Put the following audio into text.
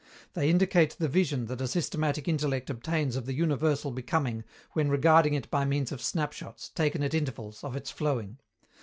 They indicate the vision that a systematic intellect obtains of the universal becoming when regarding it by means of snapshots, taken at intervals, of its flowing.